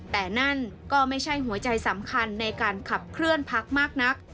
แต่นั่นก็ไม่ใช่หัวใจสำคัญในการขับเคลื่อนพักมากนัก